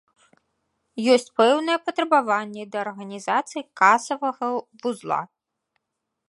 Ёсць пэўныя патрабаванні да арганізацыі касавага вузла.